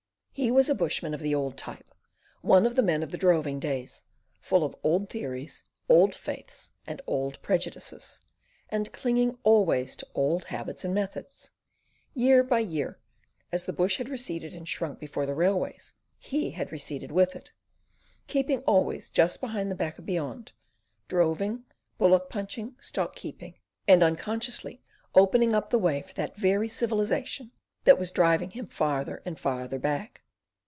He was a bushman of the old type, one of the men of the droving days; full of old theories, old faiths, and old prejudices, and clinging always to old habits and methods. Year by year as the bush had receded and shrunk before the railways, he had receded with it, keeping always just behind the Back of Beyond, droving, bullock punching, stock keeping, and unconsciously opening up the way for that very civilisation that was driving him farther and farther back.